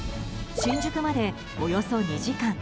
新宿まで、およそ２時間。